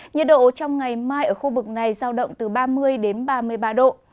nhiệt độ trong ngày mai ở khu vực này giao động từ ba mươi đến ba mươi ba độ